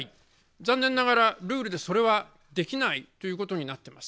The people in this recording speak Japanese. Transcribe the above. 残念ながらルールでそれはできないということになっています。